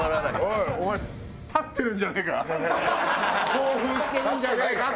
興奮してるんじゃねえか？